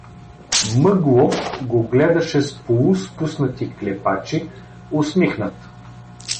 Мъглов го гледаше с полуспуснати клепачи, усмихнат.